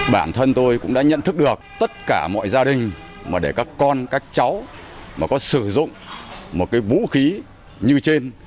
bản thân tôi cũng đã nhận thức được tất cả mọi gia đình mà để các con các cháu mà có sử dụng một cái vũ khí như trên